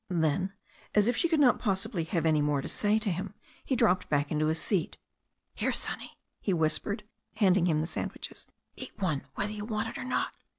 Then, as if she could not possibly have any more to say to him, he dropped back into his seat. "Here, Sonny," he whispered, handing him the sandwiches, "eat one whether you want it or not."